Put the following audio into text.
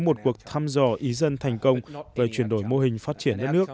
một cuộc thăm dò ý dân thành công về chuyển đổi mô hình phát triển